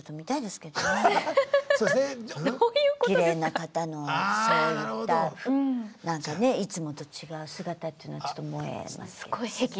きれいな方のそういったなんかねいつもと違う姿というのはちょっともえますけど。